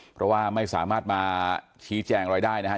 เพราะว่าไม่สามารถมาชี้แจงอะไรได้นะครับ